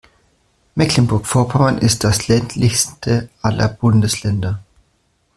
Mecklenburg-Vorpommern ist das ländlichste aller Bundesländer.